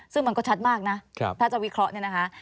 ซึ่งมันก็ชัดมากนะถ้าจะวิเคราะห์เนี่ยนะคะ